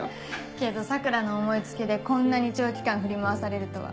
けど桜の思い付きでこんなに長期間振り回されるとは。